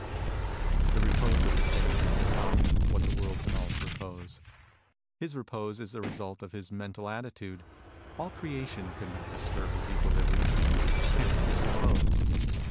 The repose of the Sage is not what the world calls repose. His repose is the result of his mental attitude. All creation could not disturb his equilibrium : hence his repose.